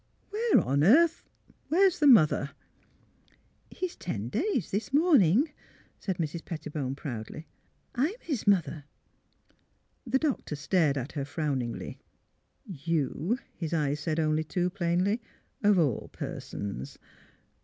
Where on earth — where 's the mother? "^'^ He's ten days this morning," said Mrs. Pet tibone, proudly. "I'm his mother." The doctor stared at her frowningly. '* You !'' his eyes said, only too plainly, '' of all persons!